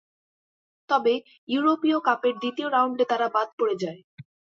তবে, ইউরোপীয় কাপের দ্বিতীয় রাউন্ডে তারা বাদ পড়ে যায়।